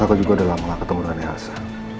aku juga udah lama gak ketemu dengan yasa